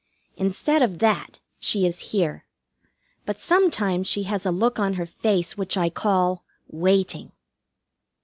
Instead of that, she is here; but sometimes she has a look on her face which I call "Waiting."